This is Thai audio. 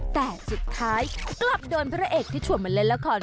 แต่สุดท้ายกลับโดนพระเอกที่ชวนมาเล่นละคร